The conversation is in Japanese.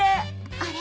あれ？